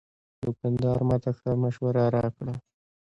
دوکاندار ماته ښه مشوره راکړه.